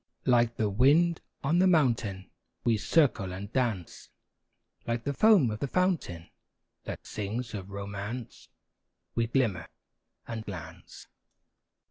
Like the wind on the mountain, We circle and dance; Like the foam of the fountain, That sings of romance, We glimmer and glance.